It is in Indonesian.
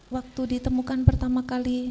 waktu ditemukan pertama kali